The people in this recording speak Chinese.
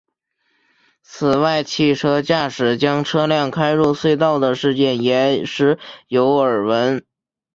此外汽车驾驶将车辆开入隧道的事件也时有耳闻。